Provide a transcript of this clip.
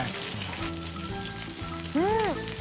うん！